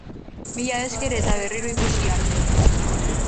Mila esker eta barriro ikusi arte.